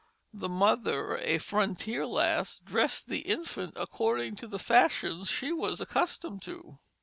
The mother, a frontier lass, dressed the infant according to the fashions she was accustomed to.